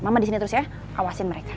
mama disini terus ya awasin mereka